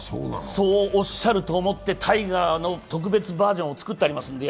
そうおっしゃると思ってタイガーの特別バージョン造ってあります。